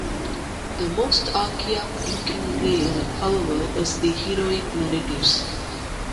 The most archaic-looking layer, however, is the heroic narratives.